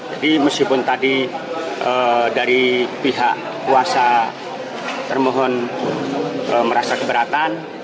jadi meskipun tadi dari pihak kuasa termohon merasa keberatan